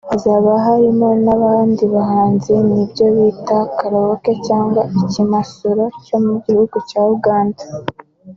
hazaba hari n’abandi bahanzi n’ibyo bita (Karaoke cg Ikimasuro) cyo mu gihugu cya Uganda